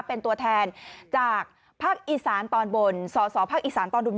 เป็นตัวแทนจากภักดิ์อีสานตอนบนสอสอภักดิ์อีสานตอนดุล